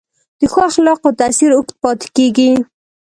د ښو اخلاقو تاثیر اوږد پاتې کېږي.